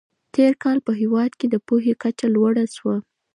تېر کال په هېواد کې د پوهې کچه لوړه سوه.